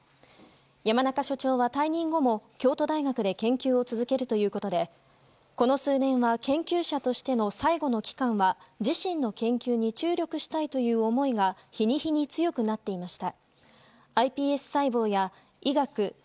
山中所長は退任後も京都大学で研究を続けるということでこの数年は研究者としての最後の期間は自身の研究に注力したいという思いが日に日に強くなっていました。